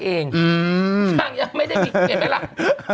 นางยังไม่ได้มีเห็นไหมล่ะ